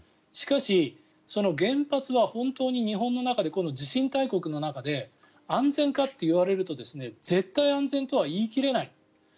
しかし、その原発は本当に日本の中でこの地震大国の中で安全かといわれると絶対に安全とは言い切れない。